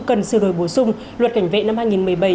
cần sửa đổi bổ sung luật cảnh vệ năm hai nghìn một mươi bảy